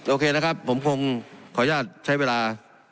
โอเคนะครับผมคงขออนุญาตใช้เวลา